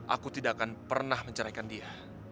aku tidak akan pernah menceraikan dia